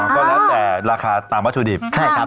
ก็แล้วแต่ราคาตามวัตถุดิบ